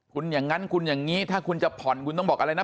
คุณอย่างนั้นคุณอย่างนี้ถ้าคุณจะผ่อนคุณต้องบอกอะไรนะ